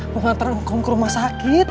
mau ngantar engkau ke rumah sakit